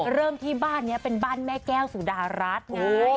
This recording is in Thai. เริ่มที่บ้านนี้เป็นบ้านแม่แก้วสุดารัฐไง